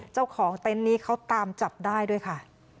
เจ้าของเต็นนี้เขาตามจับได้ด้วยค่ะ